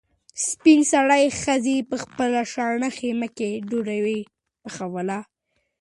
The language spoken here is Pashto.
سپین سرې ښځې په خپله شنه خیمه کې ډوډۍ پخوله.